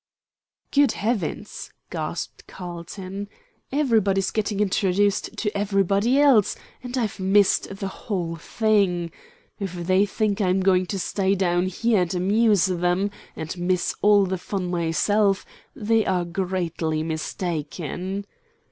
"Good heavens!" gasped Carlton. "Everybody's getting introduced to everybody else, and I've missed the whole thing! If they think I'm going to stay down here and amuse them, and miss all the fun myself, they are greatly mistaken."